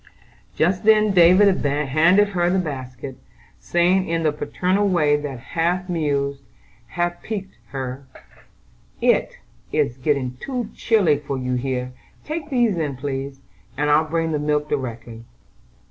Just then David handed her the basket, saying in the paternal way that half amused, half piqued her: "It, is getting too chilly for you here: take these in please, and I'll bring the milk directly."